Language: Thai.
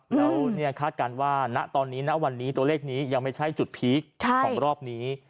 แล้วคาดการณ์ว่าณตอนนี้ณวันนี้ตัวเลขนี้ยังไม่ใช่จุดพีคของรอบนี้